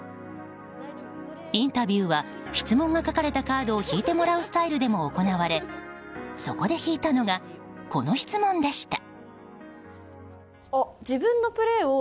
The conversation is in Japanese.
インタビューは、質問が書かれたカードを引いてもらうスタイルでも行われそこで引いたのがこの質問でした。